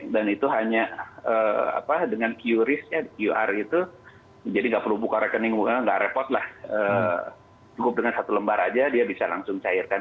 dan itu hanya dengan qr itu jadi nggak perlu buka rekening nggak repot lah cukup dengan satu lembar aja dia bisa langsung cairkan